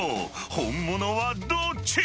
［本物はどっち？］